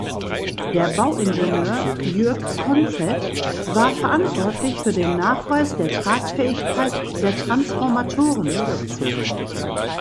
Der Bauingenieur Jürg Conzett war verantwortlich für den Nachweis der Tragfähigkeit der Transformatorenstation.